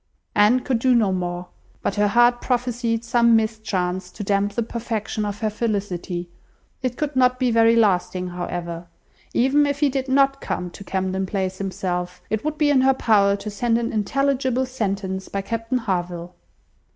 Anne could do no more; but her heart prophesied some mischance to damp the perfection of her felicity. It could not be very lasting, however. Even if he did not come to Camden Place himself, it would be in her power to send an intelligible sentence by Captain Harville.